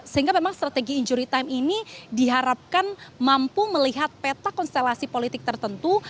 sehingga memang strategi injury time ini diharapkan mampu melihat peta konstelasi politik tertentu